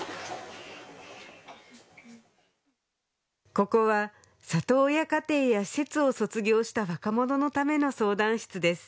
ここは里親家庭や施設を卒業した若者のための相談室です